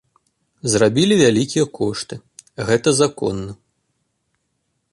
Зрабілі вялікія кошты, гэта законна.